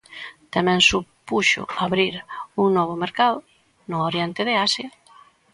Tamén supuxo abrir un novo mercado, no oriente de Asia.